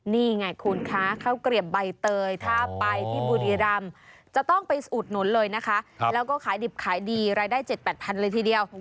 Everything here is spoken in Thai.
นี่ไงคุณคะข้าวเกลียบใบเตยถ้าไปที่บุรีรำจะต้องไปอุดหนุนเลยนะคะแล้วก็ขายดิบขายดีรายได้๗๘๐๐เลยทีเดียว